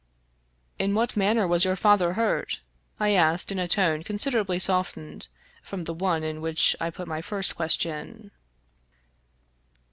" In what manner was your father hurt?" I asked, in a tone considerably softened from the one in which I put my first question.